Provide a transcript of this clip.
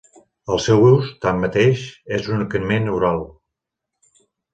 El seu ús, tanmateix, és únicament oral.